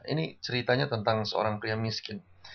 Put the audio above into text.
ini ceritanya tentang seorang pria miskin